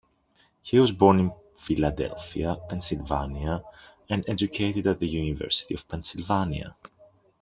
He was born in Philadelphia, Pennsylvania, and educated at the University of Pennsylvania.